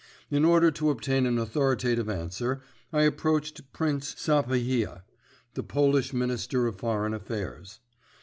In order to obtain an authoritative answer, I approached Prince Sapieha, the Polish Minister of Foreign Affairs.